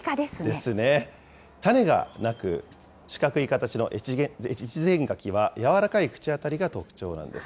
ですね、種がなく、四角い形の越前柿は柔らかい口当たりが特徴なんです。